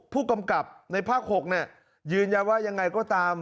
ผู้กำกับในภาค๖ยืนยันว่ายังไงก็ตาม